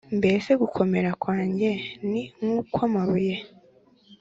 mbese gukomera kwanjye ni nk’ukw’amabuye’